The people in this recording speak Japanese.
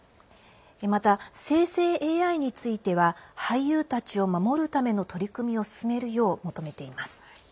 また生成ＡＩについては俳優たちを守るための取り組みを進めるよう求めています。